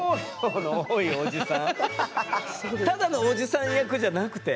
ただのおじさん役じゃなくて？